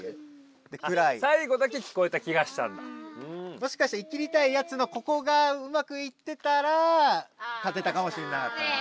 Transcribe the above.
もしかして「いきりたいやつ」のここがうまくいってたら勝てたかもしれなかったね。